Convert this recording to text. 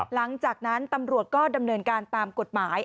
หลังจากนั้นตำรวจก็ดำเนินการตามกฎหมาย